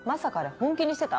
本気にしてた？